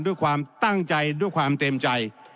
ด้วยความตั้งใจด้วยความเต็มใจ